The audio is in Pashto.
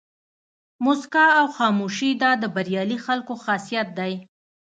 موسکا او خاموشي دا د بریالي خلکو خاصیت دی.